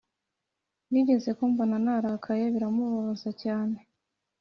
Yigeze kumbona narakaye biramubabaza cyane